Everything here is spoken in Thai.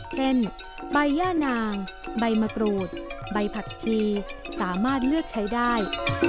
เช่นใบย่านางใบมะกรูดใบผักชีสามารถเลือกใช้ได้